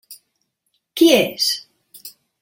Qui és?